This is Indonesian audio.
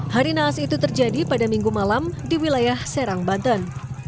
hari naas itu terjadi pada minggu malam di wilayah serang banten